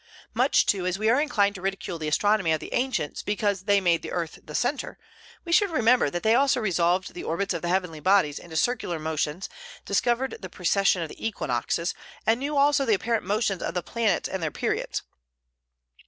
Much, too, as we are inclined to ridicule the astronomy of the ancients because they made the earth the centre, we should remember that they also resolved the orbits of the heavenly bodies into circular motions, discovered the precession of the equinoxes, and knew also the apparent motions of the planets and their periods.